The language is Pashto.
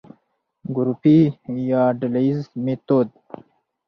ګروپي يا ډلييز ميتود: